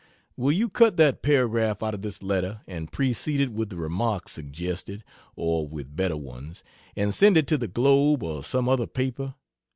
Will you cut that paragraph out of this letter and precede it with the remarks suggested (or with better ones,) and send it to the Globe or some other paper?